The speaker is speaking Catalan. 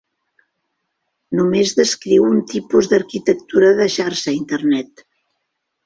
Només descriu un tipus d'arquitectura de xarxa, internet.